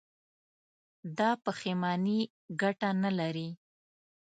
دا پښېماني گټه نه لري.